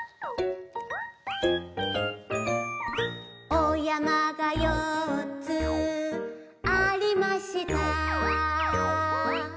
「お山が４つありました」